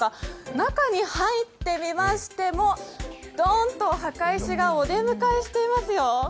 中に入ってみましても、ドーンと墓石がお出迎えしてますよ。